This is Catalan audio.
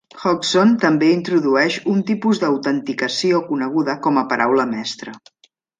Hodgson també introdueix un tipus d'autenticació coneguda com a paraula mestra.